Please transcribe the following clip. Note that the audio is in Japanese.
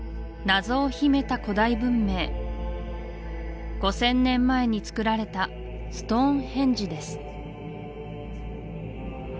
謎を秘めた古代文明５０００年前につくられたストーンヘンジです